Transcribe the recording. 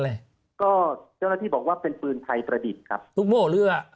แหละก็เจ้าหน้าที่บอกว่าเป็นปืนไทยประดิษฐ์ครับลูกโม่เรือ